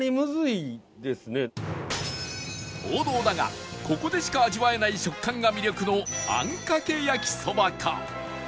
王道だがここでしか味わえない食感が魅力のあんかけ焼きそばか